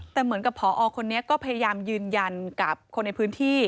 แต่เหมือนกับผอคนนี้ก็พยายามยืนยันกับคนในพื้นที่